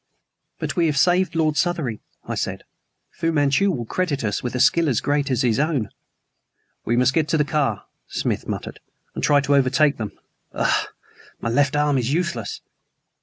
"But we have saved Lord Southery," I said. "Fu Manchu will credit us with a skill as great as his own." "We must get to the car," Smith muttered, "and try to overtake them. Ugh! my left arm is useless."